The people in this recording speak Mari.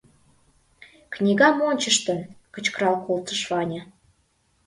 — книгам ончыштын, кычкырал колтыш Ваня.